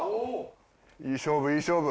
いい勝負いい勝負。